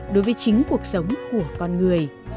đối với chính cuộc sống của con người